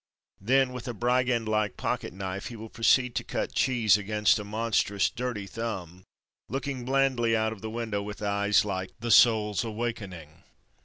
Then with a brigand like pocket knife, he will proceed to cut cheese against a mon strous, dirty thumb, looking blandly out of 1 88 From Mud to Mufti the window with eyes Hke ''The Sours Awakening."